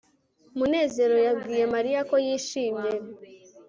munezero yabwiye mariya ko yishimye